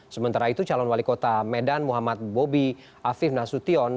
sementara itu calon wali kota medan muhammad bobi afif nasution